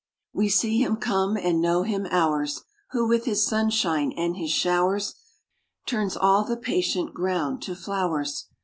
We see Him come, and know Him ours, Who with His sunshine and His showers Turns all the patient ground to flowers.